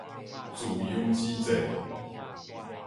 自由之戰